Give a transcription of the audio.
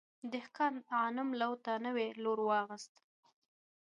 دهقان غنم لو ته نوی لور واخیست.